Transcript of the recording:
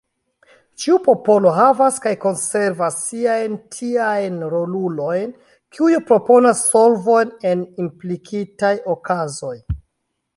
Ĉiu popolo havas kaj konservas siajn tiajn rolulojn kiuj proponas solvojn en implikitaj okazoj.